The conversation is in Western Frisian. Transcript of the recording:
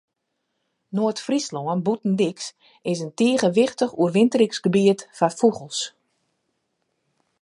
Noard-Fryslân Bûtendyks is in tige wichtich oerwinteringsgebiet foar fûgels.